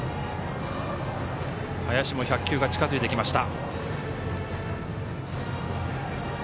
林も１００球が近づいてきました。